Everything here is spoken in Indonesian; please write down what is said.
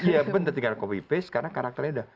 iya benar tinggal copy paste karena karakternya udah